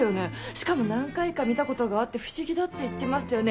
しかも何回か見た事があって不思議だって言ってましたよね？